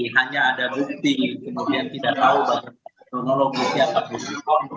hanya ada bukti kemudian tidak tahu bahwa monologisnya apa bukti